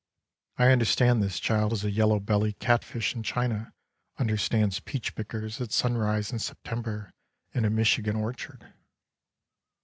I understand this child as a yellow belly catfish in China understands peach pickers at sunrise in September in a Michigan orchard.